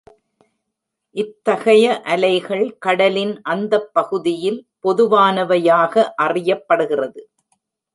இத்தகைய அலைகள் கடலின் அந்த பகுதியில் பொதுவானவையாக அறியப்படுகிறது.